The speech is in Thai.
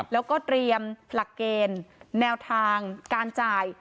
แล้วก็เตรียมหลักเกณฑ์แนวทางการจ่าย